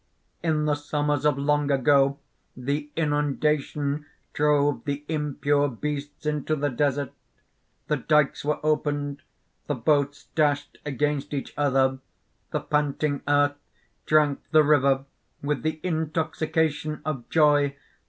"In the summers of long ago, the inundation drove the impure beasts into the desert. The dykes were opened, the boats dashed against each other; the panting earth drank the river with the intoxication of joy.